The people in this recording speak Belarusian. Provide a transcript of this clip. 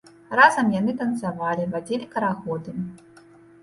Разам яны танцавалі, вадзілі карагоды.